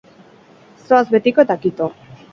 Zoaz betiko, eta kito.